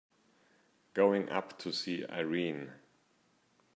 Going up to see Erin.